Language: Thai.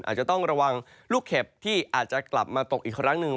อาจจะต้องระวังลูกเห็บที่อาจจะกลับมาตกอีกครั้งหนึ่ง